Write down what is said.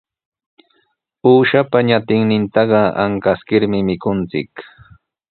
Uushapa ñatinnintaqa ankaskirmi mikunchik.